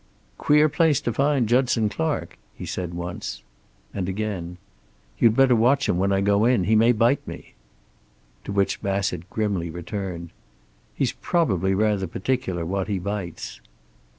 "Queer place to find Judson Clark," he said once. And again: "You'd better watch him when I go in. He may bite me." To which Bassett grimly returned: "He's probably rather particular what he bites."